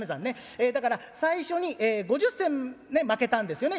えだから最初に５０銭まけたんですよね